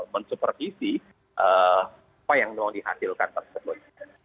men supervisi apa yang mau dihasilkan tersebut